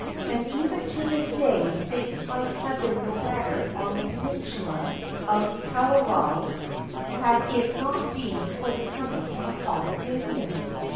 And even to this day things might have been no better on the peninsula of Kalawao, had it not been for the coming of Father Damien.